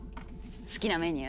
好きなメニュー？